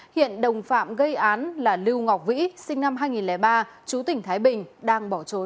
hiện đồng phạm gây án là lưu ngọc vĩ sinh năm hai nghìn ba chú tỉnh thái bình đang bỏ trốn